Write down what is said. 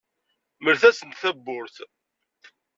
Mlet-asent tawwurt.